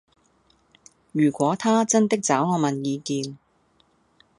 如果他真的找我問意見